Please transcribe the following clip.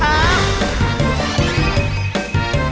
สวัสดีครับ